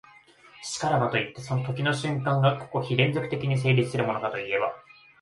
然らばといって、時の瞬間が個々非連続的に成立するものかといえば、